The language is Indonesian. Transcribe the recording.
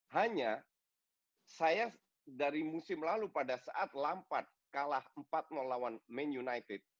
hanya saya dari musim lalu pada saat lampad kalah empat lawan man united